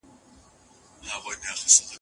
خپل پرمختګ له نورو سره شریک کړئ.